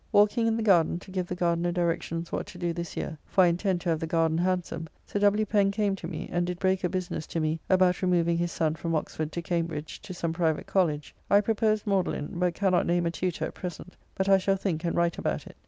Walking in the garden to give the gardener directions what to do this year (for I intend to have the garden handsome), Sir W. Pen came to me, and did break a business to me about removing his son from Oxford to Cambridge to some private college. I proposed Magdalene, but cannot name a tutor at present; but I shall think and write about it.